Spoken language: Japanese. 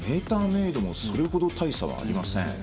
メーターメードもそれほど大差はありません。